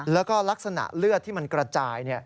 แล้วก็ลักษณะเลือดที่มันกระจาย